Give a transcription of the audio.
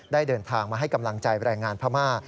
เดินทางมาให้กำลังใจแรงงานพม่า